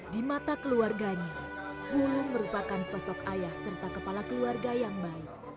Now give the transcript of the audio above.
di mata keluarganya wulung merupakan sosok ayah serta kepala keluarga yang baik